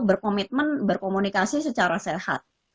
berkomitmen berkomunikasi secara sehat